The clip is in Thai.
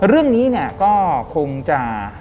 เรื่องนี้ก็คงจะ